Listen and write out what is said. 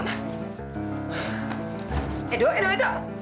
nadik lebih murah